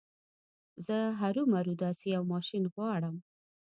زه هرو مرو داسې يو ماشين غواړم.